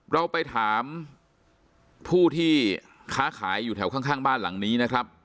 เราไปถามผู้ที่ค้าขายอยู่แถวข้างบ้านหลังนี้นะครับ